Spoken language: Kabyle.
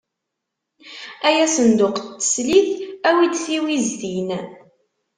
Ay asenduq n teslit, awi-d tiwiztin.